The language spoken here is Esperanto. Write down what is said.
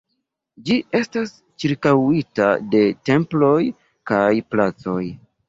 Ĝi estas ĉirkaŭita de temploj kaj placoj.